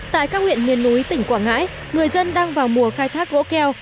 tại các huyện miền núi tỉnh quảng ngãi người dân đang vào mùa khai thác gỗ keo